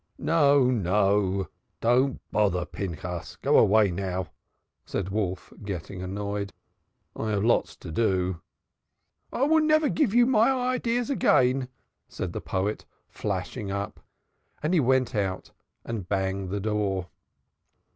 "No, no. Don't bother, Pinchas. Go away now," said Wolf, getting annoyed. "I have lots to do." "I vill never gif you mine ideas again!" said the poet, flashing up, and he went out and banged the door.